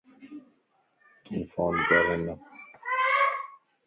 تُون فون ڪَر ھنک